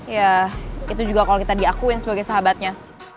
ya itu juga kalau kita diakuin sebagai sahabatnya